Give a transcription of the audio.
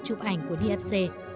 chụp ảnh của nfc